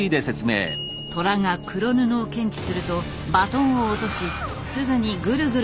トラが黒布を検知するとバトンを落としすぐにグルグルと巻き取る。